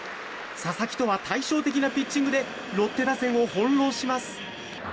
佐々木とは対照的なピッチングでロッテ打線を翻弄します。